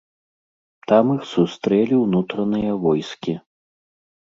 Там іх сустрэлі ўнутраныя войскі.